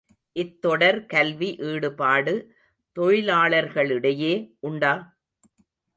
இத்தொடர் கல்வி ஈடுபாடு, தொழிலாளர்களிடையே உண்டா?